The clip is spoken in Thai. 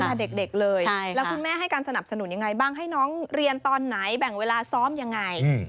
เด็กเลยแล้วคุณแม่ให้การสนับสนุนยังไงบ้างให้น้องเรียนตอนไหนแบ่งเวลาซ้อมยังไง